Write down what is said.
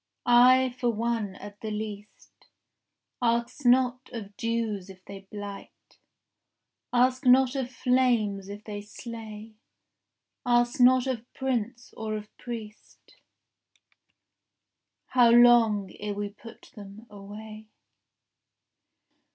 I for one, at the least, Ask not of dews if they blight, Ask not of flames if they slay, Ask not of prince or of priest How long ere we put them away.